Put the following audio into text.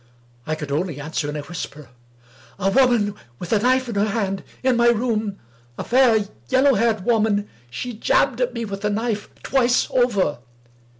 I could only answer in a whisper, "A woman, with a knife in her hand. In my room. ' A fair, yellow haired woman. She jabbed at me with the knife, twice over."